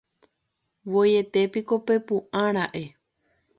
Voietépiko pepu'ãra'e.